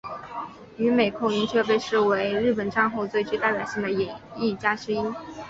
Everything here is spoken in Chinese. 与美空云雀被视为日本战后最具代表性的演艺家之一。